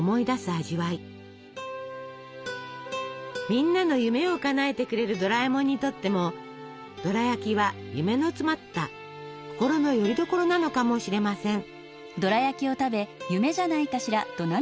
みんなの夢をかなえてくれるドラえもんにとってもドラやきは夢の詰まった心のよりどころなのかもしれません。